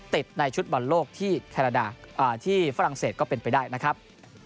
ในชุดบอลโลกที่ฝรั่งเศสก็เป็นไปได้นะครับ